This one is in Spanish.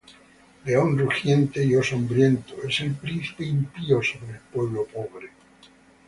León rugiente y oso hambriento, Es el príncipe impío sobre el pueblo pobre.